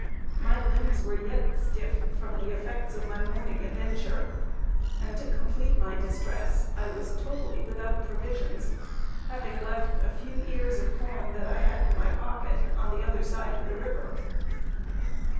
My limbs were yet stiff from the effects of my morning adventure, and to complete my distress I was totally without provisions, having left a few ears of corn, that I had in my pocket, on the other side of the river.